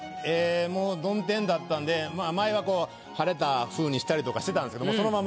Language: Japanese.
もう曇天だったんで前はこう晴れたふうにしたりとかしてたんすけど。